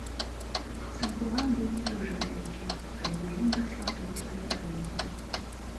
Сам курган быў не дужа вялікі, але на ім расла тоўстая бяроза.